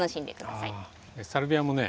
サルビアもね